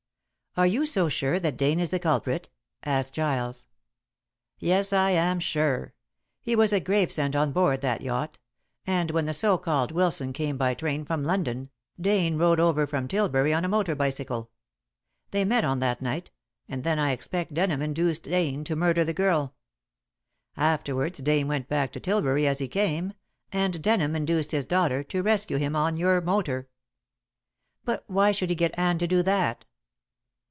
"Are you so sure that Dane is the culprit?" asked Giles. "Yes, I am sure. He was at Gravesend on board that yacht, and when the so called Wilson came by train from London, Dane rode over from Tilbury on a motor bicycle. They met on that night, and then I expect Denham induced Dane to murder the girl. Afterwards Dane went back to Tilbury as he came, and Denham induced his daughter to rescue him on your motor." "But why should he get Anne to do that?"